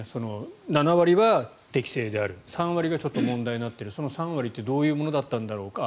７割は適正である３割がちょっと問題になっているその３割ってどういうものだったのだろうか。